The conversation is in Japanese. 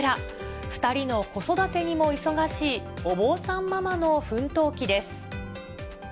２人の子育てにも忙しいお坊さんママの奮闘記です。